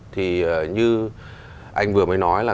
thì như anh vừa mới nói là